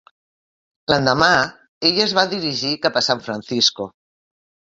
L'endemà, ella es va dirigir cap a San Francisco.